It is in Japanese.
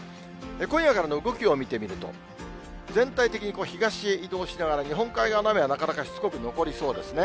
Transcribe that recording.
今夜からの動きを見てみると、全体的に東へ移動しながら、日本海側の雨はなかなかしつこく残りそうですね。